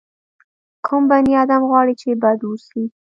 کوم بني ادم غواړي چې بد واوسي.